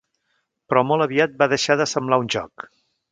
Però molt aviat va deixar de semblar un joc.